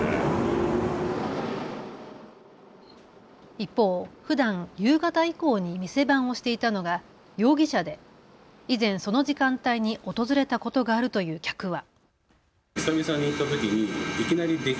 一方、ふだん夕方以降に店番をしていたのが容疑者で以前その時間帯に訪れたことがあるという客は。